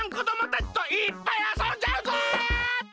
たちといっぱいあそんじゃうぞ！